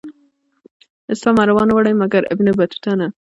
اسلام عربانو وړی مګر ابن بطوطه نه.